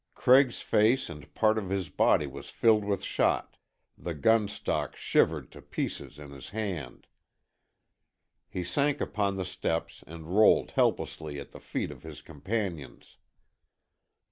Craig's face and part of his body was filled with shot, the gun stock shivered to pieces in his hand. He sank upon the steps and rolled helplessly at the feet of his companions.